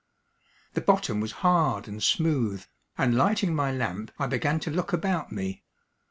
The bottom was hard and smooth, and lighting my lamp I began to look about me.